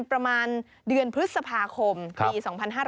ประมาณเดือนพฤษภาคมปี๒๕๕๙